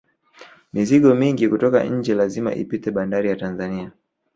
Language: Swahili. mizigo mingi kutoka nje lazima ipite banbari ya tanzania